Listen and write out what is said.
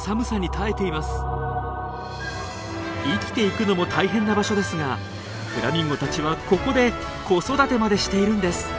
生きていくのも大変な場所ですがフラミンゴたちはここで子育てまでしているんです。